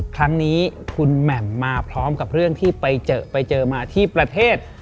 ครั้งนี้คุณแหม่มมาพร้อมกับเรื่องที่ไปเจอไปเจอมาที่ประเทศ